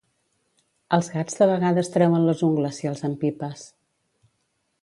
Els gats de vegades treuen les ungles si els empipes